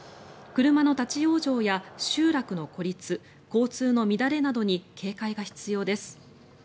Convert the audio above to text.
車の立ち往生や集落の孤立交通の乱れなどに警戒が必要です。